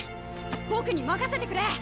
僕に任せてくれ！